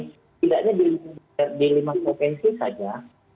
setidaknya di lima provinsi saja